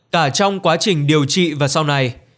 cả trong quá trình điều trị và sau này